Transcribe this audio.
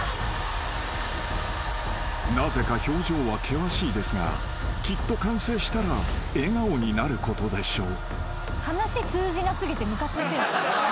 ［なぜか表情は険しいですがきっと完成したら笑顔になることでしょう］